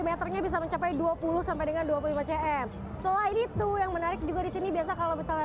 meternya bisa mencapai dua puluh sampai dengan dua puluh lima cm selain itu yang menarik juga disini biasa kalau misalnya